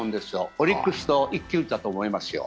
オリックスと一騎打ちだと思いますよ。